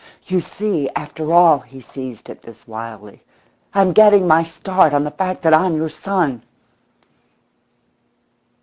You see, after all," he seized at this wildly, "I'm getting my start on the fact that I'm your son."